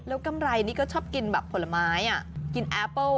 แล้วกำไรนี่ก็ชอบกินแบบผลไม้กินแอปเปิ้ล